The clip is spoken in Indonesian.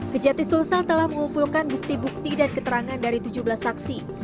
kejati sulsel telah mengumpulkan bukti bukti dan keterangan dari tujuh belas saksi